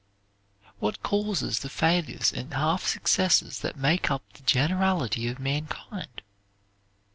What causes the failures and half successes that make up the generality of mankind?